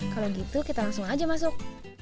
kalau gitu kita langsung aja masuk